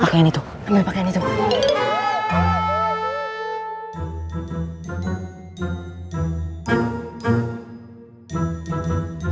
ambil pakaian itu